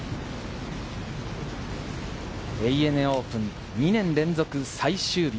ＡＮＡオープン、２年連続最終日